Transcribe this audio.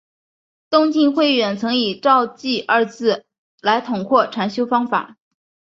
东晋慧远曾以照寂二字来统括禅修方法。